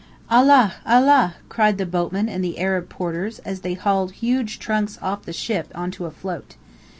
"Allah Allah!" cried the boatman and the Arab porters as they hauled huge trunks off the ship onto a float.